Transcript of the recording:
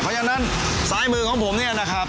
เพราะฉะนั้นซ้ายมือของผมเนี่ยนะครับ